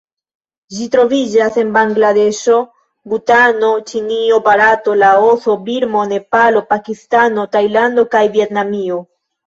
Ĝi troviĝas en Bangladeŝo, Butano, Ĉinio, Barato, Laoso, Birmo, Nepalo, Pakistano, Tajlando kaj Vjetnamio.